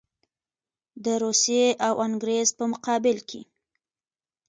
د روسیې او انګرېز په مقابل کې.